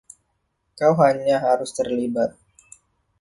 Kau hanya harus terlibat.